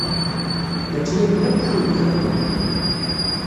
Mačči akken akk i kent-xedmeɣ!